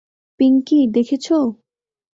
পিঙ্কি, দেখেছ।